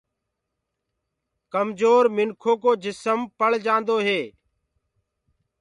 ڪمجور منکُو ڪو جسم پݪ جآندو هي۔